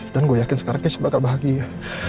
dan gue yakin sekarang kece bakal bahagia